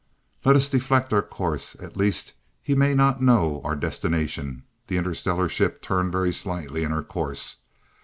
"Let us deflect our course at least he may not know our destination." The interstellar ship turned very slightly in her course.